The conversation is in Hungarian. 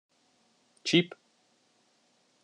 Csip!